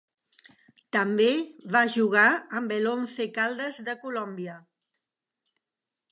També va jugar amb el Once Caldas de Colombia.